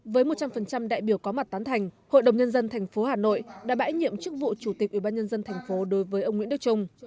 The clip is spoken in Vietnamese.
với một trăm linh đại biểu có mặt tán thành hội đồng nhân dân thành phố hà nội đã bãi nhiệm chức vụ chủ tịch ủy ban nhân dân thành phố đối với ông nguyễn đức trung